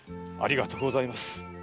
ありがとうございます。